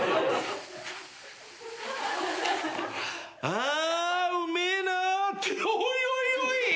あうめえなっておいおいおい！